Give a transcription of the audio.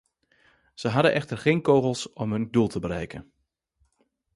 Zij hadden echter geen kogels nodig om hun doel te bereiken.